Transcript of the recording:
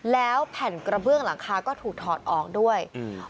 แล้วแผ่นกระเบื้องหลังคาก็ถูกถอดออกด้วยอืม